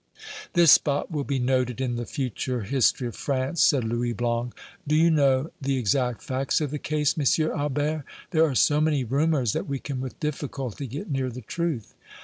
"This spot will be noted in the future history of France," said Louis Blanc. "Do you know the exact facts of the case, M. Albert? There are so many rumors that we can with difficulty get near the truth."